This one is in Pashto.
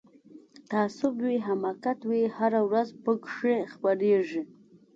تعصب وي حماقت وي هره ورځ پکښی خپریږي